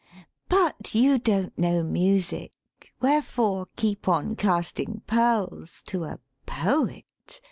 XVIII But you don't know music! Wherefore Keep on casting pearls To a poet?